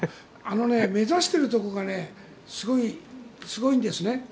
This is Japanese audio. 目指しているところがすごいんですね。